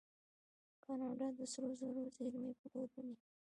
کاناډا د سرو زرو زیرمې پلورلي.